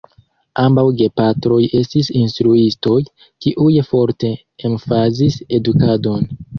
Ambaŭ gepatroj estis instruistoj; kiuj forte emfazis edukadon.